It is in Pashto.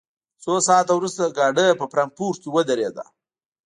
څو ساعته وروسته ګاډی په فرانکفورټ کې ودرېد